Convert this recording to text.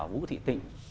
vũ thị tịnh